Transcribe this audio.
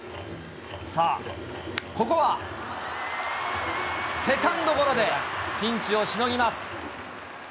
さあ、ここはセカンドゴロでピンチをしのぎます。